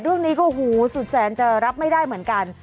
เรื่องนี้ก็หูสุดแสนจะรับไม่ได้เหมือนกัน